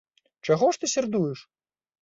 Чаго ж ты сярдуеш?